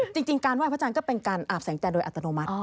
จริงการไหว้พระจันทร์ก็เป็นการอาบแสงจันทร์โดยอัตโนมัติ